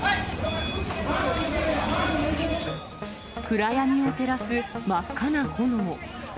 暗闇を照らす真っ赤な炎。